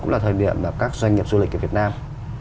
cũng là thời điểm các doanh nghiệp du lịch việt nam